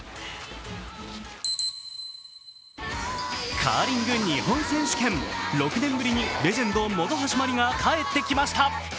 カーリングの日本選手権６年ぶりにレジェンド本橋麻里が帰ってきました。